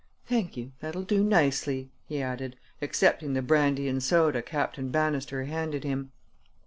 Thank you; that'll do nicely," he added, accepting the brandy and soda Captain Bannister handed him.